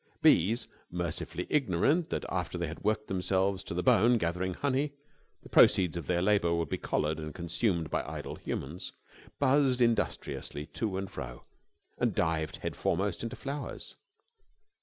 Bees, mercifully ignorant that, after they had worked themselves to the bone gathering honey, the proceeds of their labour would be collared and consumed by idle humans, buzzed industriously to and fro and dived head foremost into flowers.